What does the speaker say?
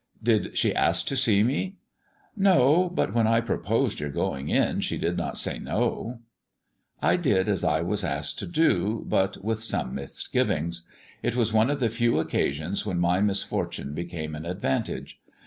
"Did she ask to see me?" "No; but when I proposed your going in, she did not say no." I did as I was asked to do, but with some misgivings. It was one of the few occasions when my misfortune became an advantage.